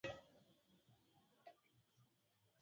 nchini NigeriaWanamgambo wa kundi hilo wanaotazamwa na